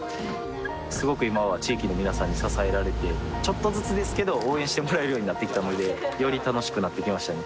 すごく今は地域の皆さんに支えられてちょっとずつですけど応援してもらえるようになってきたのでより楽しくなってきましたね